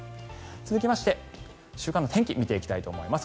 続きまして週間の天気を見ていきたいと思います。